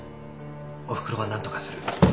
おふくろは何とかする。